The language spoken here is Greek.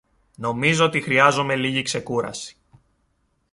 Νομίζω ότι χρειάζομαι λίγη ξεκούραση.